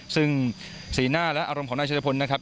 ซึ่งสีหน้าและอารมณ์ของนายชายพลนะครับ